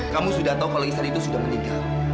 kamu sudah tahu kalau istri itu sudah meninggal